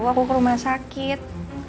aku ke rumah sakit